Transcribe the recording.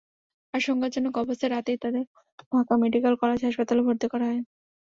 আশঙ্কাজনক অবস্থায় রাতেই তাদের ঢাকা মেডিকেল কলেজ হাসপাতালে ভর্তি করা হয়।